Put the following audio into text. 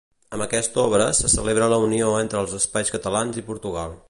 Amb aquesta obra se celebra la unió entre els espais catalans i Portugal.